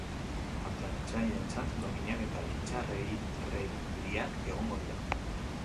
Parte hartzaileentzat dominak eta litxarreriak egongo dira.